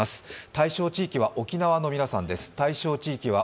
対象地域は沖縄の皆さんです。